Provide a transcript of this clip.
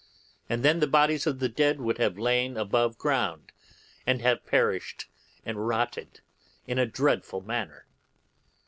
And then the bodies of the dead would have lain above ground, and have perished and rotted in a dreadful manner.